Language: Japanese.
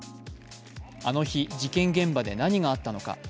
あの日事件現場で何があったのか。